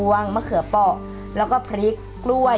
หนูคิดไปเอง